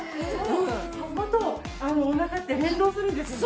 こことおなかって連動するんですよね。